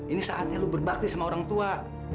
ini saatnya lu berbakti sama orang tua